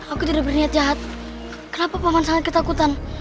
aku tidak berniat jahat kenapa paman sangat kita akutan